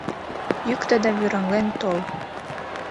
— Йӱктӧ да вӱраҥлен тол.